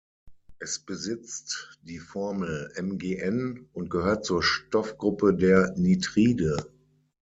Es besitzt die Formel MgN und gehört zur Stoffgruppe der Nitride.